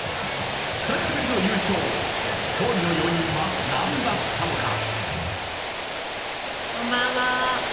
久しぶりの優勝、勝利の要因は何だったのか。